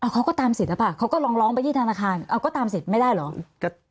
เขาก็ตามสิทธิ์หรือเปล่าเขาก็ลองร้องไปที่ธนาคารเอาก็ตามสิทธิ์ไม่ได้เหรอ